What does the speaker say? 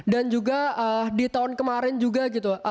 juga di tahun kemarin juga gitu